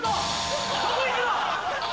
どこ行くの？